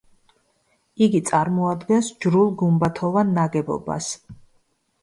იგი წარმოადგენს ჯვრულ–გუმბათოვან ნაგებობას.